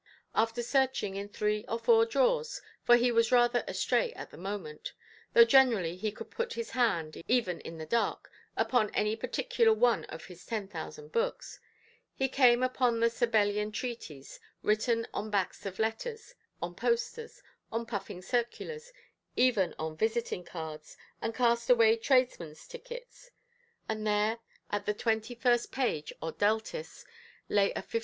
After searching in three or four drawers—for he was rather astray at the moment, though generally he could put his hand, even in the dark, upon any particular one of his ten thousand books—he came upon the Sabellian treatise, written on backs of letters, on posters, on puffing circulars, even on visiting–cards, and cast–away tradesmenʼs tickets; and there, at the twenty–first page or deltis, lay a 50l.